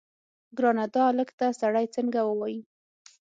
ګرانه دا الک ته سړی څنګه ووايي.